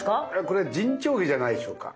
これ沈丁花じゃないでしょうか。